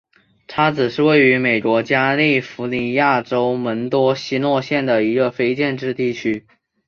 叉子是位于美国加利福尼亚州门多西诺县的一个非建制地区。